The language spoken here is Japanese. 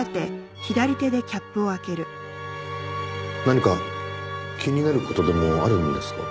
何か気になる事でもあるんですか？